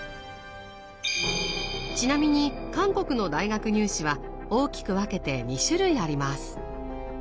ちなみに韓国の大学入試は大きく分けて２種類あります。